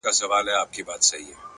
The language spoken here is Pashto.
پرمختګ له دوامداره سمون پیلېږي،